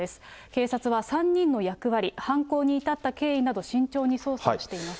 警察は３人の役割、犯行に至った経緯など、慎重に捜査をしています。